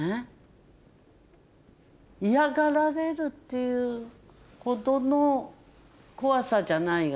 嫌がられるっていうほどの怖さじゃないが。